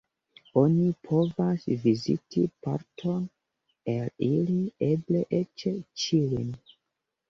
Oni povas viziti parton el ili, eble eĉ ĉiujn.